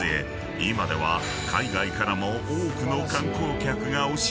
今では海外からも多くの観光客が押し寄せ